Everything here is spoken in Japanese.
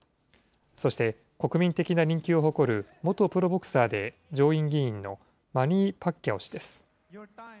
そして国民的な人気を誇る、元プロボクサーで上院議員のマニー・パッキャオ氏です。